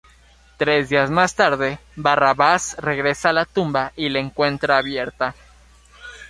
Tres días más tarde, Barrabás regresa a la tumba y la encuentra abierta.